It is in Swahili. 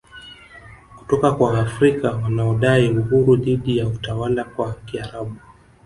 kutoka kwa Waafrika wanaodai uhuru dhidi ya utawala wa Kiarabu